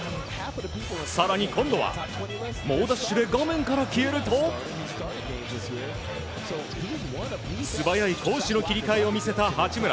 更に今度は猛ダッシュで画面から消えると素早い攻守の切り替えを見せた八村。